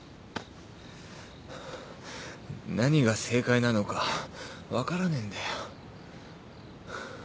何が正解なのか分からねえんだよ。